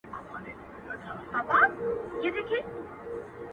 زه غښتلی یم له مځکي تر اسمانه٫